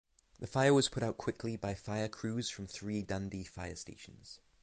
The fire was put out quickly by fire crews from three Dundee fire stations.